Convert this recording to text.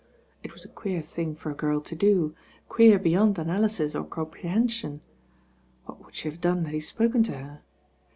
It was a queer thins for a girl to do. queer beyond anal/tit or compre heniiom What would the have done had he tpoken to her?